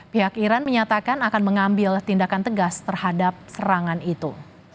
pihak iran menyatakan akan mengambil tindakan tegas terhadap serangan itu